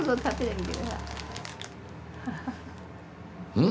うん？